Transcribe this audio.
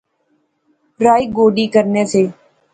رائی گوڈی کرنے سے